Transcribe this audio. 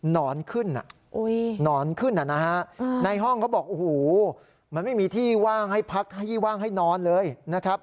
นอนขึ้นหนอนขึ้นนะฮะในห้องเขาบอกโอ้โหมันไม่มีที่ว่างให้พักให้ที่ว่างให้นอนเลยนะครับ